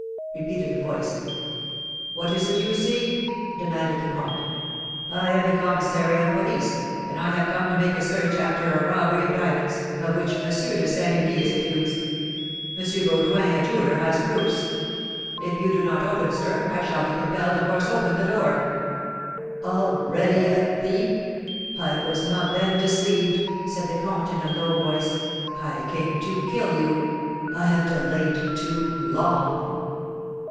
repeated the voice. "What is it you seek?" demanded the comte. "I am a commissary of police, and I have come to make a search after a robbery of diamonds, of which M. de Saint Remy is accused. M. Baudoin, a jeweller, has proofs. If you do not open, sir, I shall be compelled to force open the door." "Already a thief! I was not then deceived," said the comte, in a low voice. "I came to kill you, I have delayed too long."